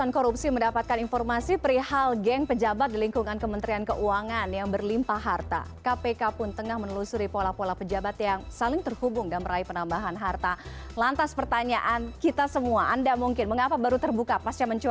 kepala komisi pemberantasan korupsi